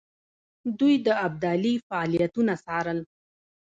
دوی د ابدالي فعالیتونه څارل.